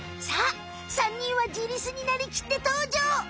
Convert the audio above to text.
さあ３人はジリスになりきってとうじょう！